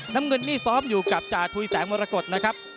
น้ำเงินนี่ซ้อมอยู่กับจาธุยแสงมรกฏนะครับ